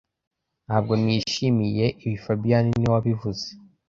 Ntabwo nishimiye ibi fabien niwe wabivuze